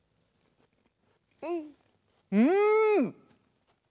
うん。